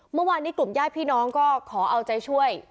เมื่อวานนี้กลุ่มญาติพี่น้องก็ขอเอาใจช่วย